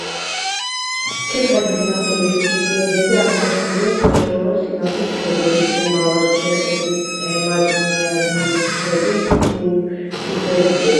ჩეხეთის მასივის კიდეებზე აღმართულია საშუალო სიმაღლის ქედები: შუმავა, ჩეხეთის ტყე, მადნიანი მთები, სუდეტები.